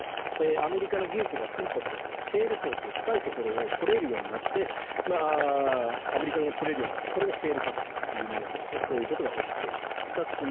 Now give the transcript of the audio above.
アメリカの技術が進歩してシェール層という深いところを掘れるようになってアメリカも取れるようになったこれがシェール革命というものなんですがそういうことが起きている。